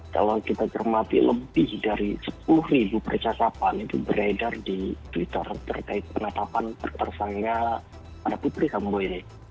kalau kita cermati lebih dari sepuluh ribu percakapan itu beredar di twitter terkait penetapan tersangka pada putri sambo ini